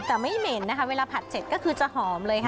แต่ไม่เหม็นนะคะเวลาผัดเสร็จก็คือจะหอมเลยค่ะ